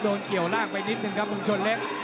เกี่ยวล่างไปนิดนึงครับมึงชนเล็ก